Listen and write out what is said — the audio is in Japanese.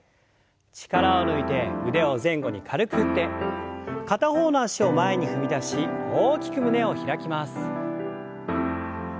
力を抜いて腕を前後に軽く振って片方の脚を前に踏み出し大きく胸を開きます。